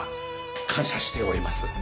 感謝しております。